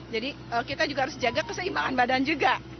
jadi kita juga harus jaga keseimbangan badan juga